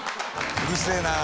「うるせえなあ」